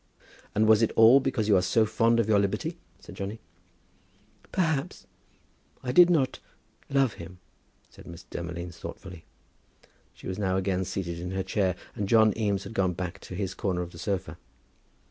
"And was it all because you are so fond of your liberty?" said Johnny. "Perhaps, I did not love him," said Miss Demolines, thoughtfully. She was now again seated in her chair, and John Eames had gone back to his corner of the sofa.